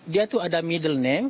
dia tuh ada middle name